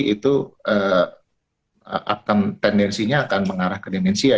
itu tendensinya akan mengarah ke demensia